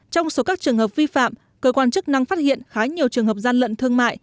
trong số các trường hợp vi phạm cơ quan chức năng phát hiện khá nhiều trường hợp gian lận thương mại